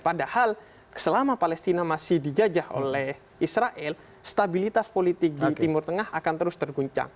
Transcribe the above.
padahal selama palestina masih dijajah oleh israel stabilitas politik di timur tengah akan terus terguncang